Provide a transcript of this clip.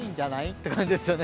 って感じですよね。